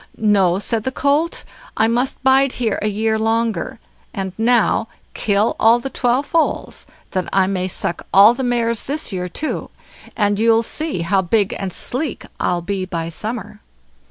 "No", said the colt, "I must bide here a year longer; and now kill all the twelve foals, that I may suck all the mares this year too, and you'll see how big and sleek I'll be by summer."